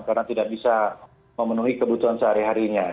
karena tidak bisa memenuhi kebutuhan sehari harinya